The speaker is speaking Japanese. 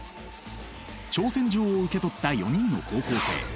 挑戦状を受け取った４人の高校生。